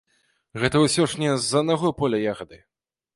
Гэта ўсё ж не з аднаго поля ягады.